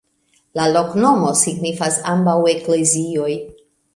La loknomo signifas: ambaŭ eklezioj.